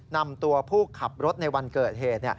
นำตัวผู้ขับรถในวันเกิดเหตุ